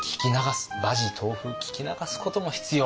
馬耳東風聞き流すことも必要。